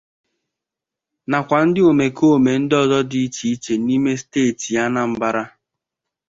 nakwa ndị omekome ndị ọzọ dị iche iche n'ime steeti Anambra.